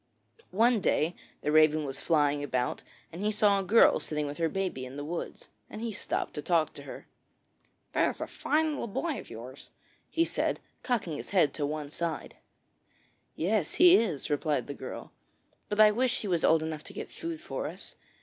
One day the Raven was flying about, and he saw a girl sitting with her baby in the woods, and he stopped to talk to her. 'That is a fine little boy of yours,' he said, cocking his head on one side. 'Yes, he is,' replied the girl; 'but I wish he was old enough to get food for us.